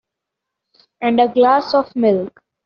And a glass of milk.